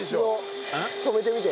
止めてみて。